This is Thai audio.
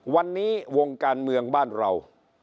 วันนี้วงการเมืองบ้านเรา